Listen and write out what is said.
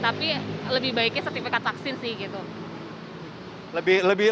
tapi lebih baiknya sertifikat vaksin sih gitu